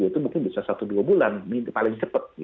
itu mungkin bisa satu dua bulan paling cepat